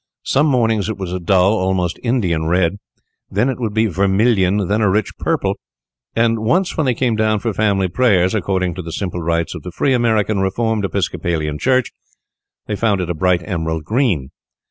Some mornings it was a dull (almost Indian) red, then it would be vermilion, then a rich purple, and once when they came down for family prayers, according to the simple rites of the Free American Reformed Episcopalian Church, they found it a bright emerald green.